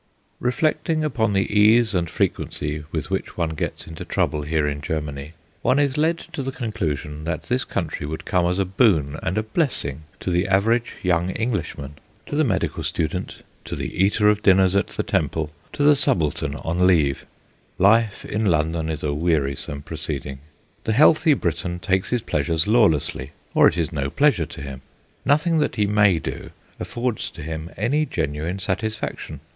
Reflecting upon the case and frequency with which one gets into trouble here in Germany, one is led to the conclusion that this country would come as a boon and a blessing to the average young Englishman. To the medical student, to the eater of dinners at the Temple, to the subaltern on leave, life in London is a wearisome proceeding. The healthy Briton takes his pleasure lawlessly, or it is no pleasure to him. Nothing that he may do affords to him any genuine satisfaction.